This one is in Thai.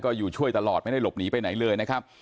ก็อยู่ช่วยตลอดไม่ได้หลบหนีไปไหนเลยนะครับ